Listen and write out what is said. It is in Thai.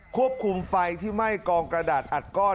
ควบคุมไฟที่ไหม้กองกระดาษอัดก้อน